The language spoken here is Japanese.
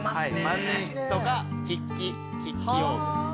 万年筆とか筆記用具。